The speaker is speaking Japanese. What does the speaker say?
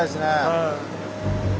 はい。